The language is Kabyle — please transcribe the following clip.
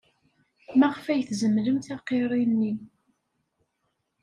Maɣef ay tzemlemt aqirri-nni?